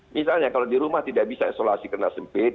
misalnya kalau di rumah tidak bisa isolasi karena sempit